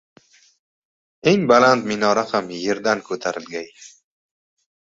Eng baland minora ham yerdan ko‘tarilgay.